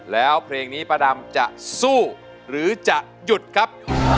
แล้วเพลงนี้ป้าดำจะสู้หรือจะหยุดครับ